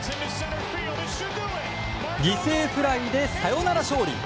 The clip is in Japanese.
犠牲フライでサヨナラ勝利。